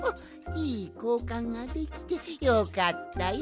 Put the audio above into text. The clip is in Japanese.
いいこうかんができてよかったよかった！